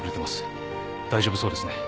大丈夫そうですね。